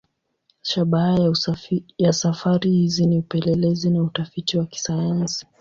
Shabaha ya safari hizi ni upelelezi na utafiti wa kisayansi.